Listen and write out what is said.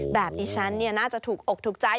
แบบนี้ฉันน่าจะถูกอกถูกใจ